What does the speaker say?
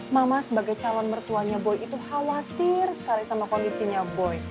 mama sebagai calon mertuanya boy itu khawatir sekali sama kondisinya boy